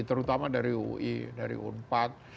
terutama dari ui dari unpad